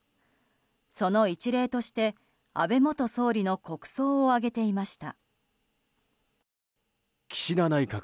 その一例として、安倍元総理の国葬を挙げていました。